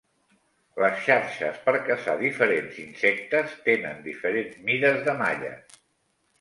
Les xarxes per caçar diferents insectes tenen diferents mides de malles.